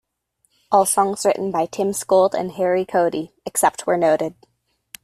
All songs written by Tim Skold and Harry Cody, except where noted.